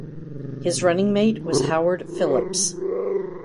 His running-mate was Howard Phillips.